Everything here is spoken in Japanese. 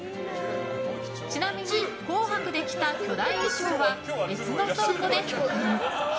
ちなみに、「紅白」で着た巨大衣装は別の倉庫で保管。